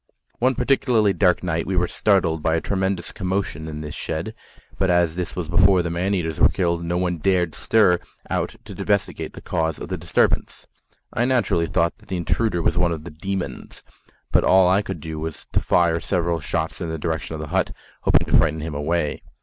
One particularly dark night we were startled by a tremendous commotion in this shed, but as this was before the man eaters were killed, no one dared stir out to investigate the cause of the disturbance. I naturally thought that the intruder was one of the "demons," but all I could do was to fire several shots in the direction of the hut, hoping to frighten him away.